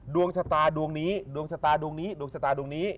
ดวงชะตาดวงนี้ดวงชะตาดวงนี้ดวงชะตาดวงนี้